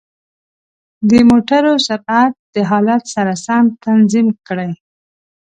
د موټرو سرعت د حالت سره سم تنظیم کړئ.